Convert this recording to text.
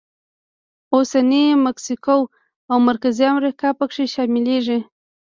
اوسنۍ مکسیکو او مرکزي امریکا پکې شاملېږي.